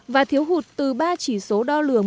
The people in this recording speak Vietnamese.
và thiếu hụt từ ba chỉ số đo lường